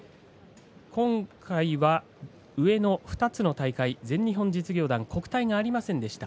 今回は上の２つの大会全日本実業団、国体がありませんでした。